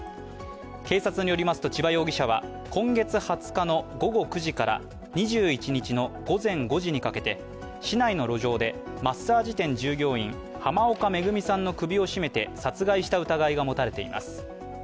警察によりますと、千葉容疑者は今月２０日の午後９時から２１日の午前５時にかけて市内の路上でマッサージ店従業員濱岡恵さんの首を絞めて殺害した疑いが持たれています。